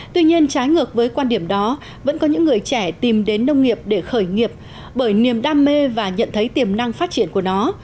tuy nhiên trái ngược với quan điểm đó vẫn có những người trẻ tìm đến nông nghiệp để khởi nghiệp bởi niềm đam mê và nhận thấy tiềm năng phát triển của nó